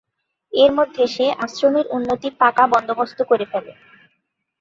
এর মধ্যে সে আশ্রমের্ উন্নতির পাকা বন্দোবস্ত করে ফেলে।